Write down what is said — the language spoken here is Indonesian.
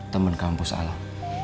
temen kampus alam